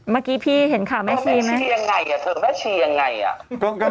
เมื่อกี้พี่เห็นคำแม่ชีไหม